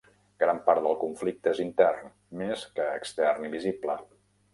Gran part del conflicte és intern, més que extern i visible.